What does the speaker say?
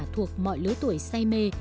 thuộc mọi lứa tuổi say mê